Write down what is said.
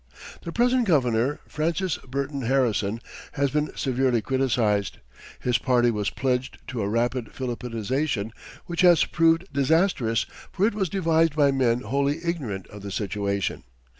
The present governor, Francis Burton Harrison, has been severely criticized. His party was pledged to a rapid Filipinization which has proved disastrous, for it was devised by men wholly ignorant of the situation.